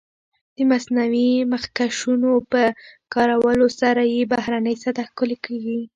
د مصنوعي مخکشونو په کارولو سره یې بهرنۍ سطح ښکلې کېږي.